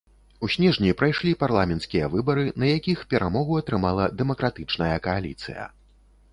У снежні прайшлі парламенцкія выбары, на якіх перамогу атрымала дэмакратычная кааліцыя.